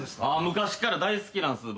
昔から大好きなんです